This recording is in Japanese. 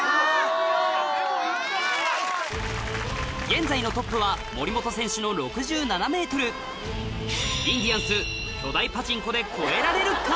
現在のトップは森本選手の６７ｍインディアンス巨大パチンコで超えられるか？